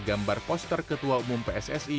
gambar poster ketua umum pssi